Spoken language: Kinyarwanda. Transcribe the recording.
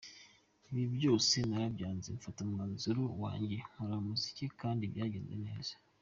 Ibyo byose narabyanze mfata umwanzuro wanjye nkora umuziki kandi byagenze neza.